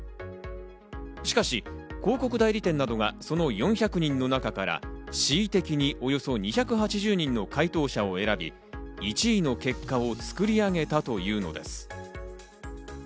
しかし広告代理店などが、その４００人の中から恣意的におよそ２８０人の回答者を選び、１位の結果を作り上げたというのです。